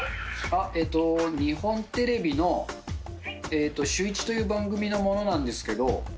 日本テレビのシューイチという番組の者なんですけど。